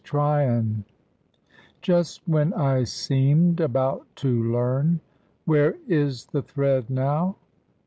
TRYON_ "Just when I seemed about to learn! Where is the thread now?